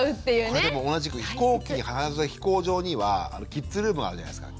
これでも同じく飛行機に必ず飛行場にはキッズルームがあるじゃないですか。